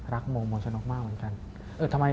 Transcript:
โมโมชนกมากเหมือนกัน